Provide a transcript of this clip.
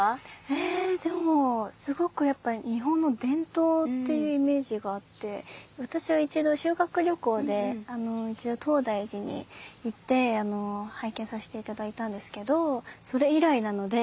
えでもすごくやっぱり日本の伝統っていうイメージがあって私は一度修学旅行で東大寺に行って拝見させて頂いたんですけどそれ以来なので。